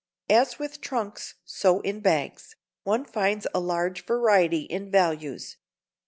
As with trunks, so in bags, one finds a large variety in values.